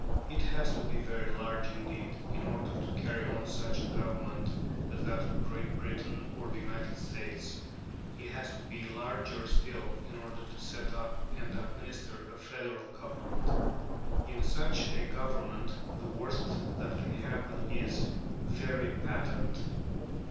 It has to be very large indeed in order to carry on such a government as that of Great Britain or of the United States; it has to be larger still in order to set up and administer a federal government. In such a government the worst that can happen is very patent.